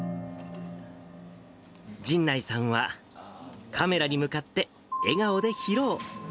神内さんは、カメラに向かって、笑顔で披露。